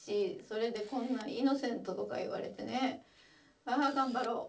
それでこんなイノセントとか言われてねああ頑張ろう。